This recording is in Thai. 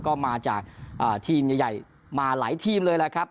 ก็มาจากทีมใหญ่มาหลายทีมเลยแหละครับ